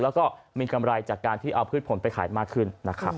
และมีกำไรจากการที่เอาพืชผลไปขายมากขึ้น